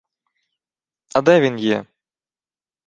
— А де він є?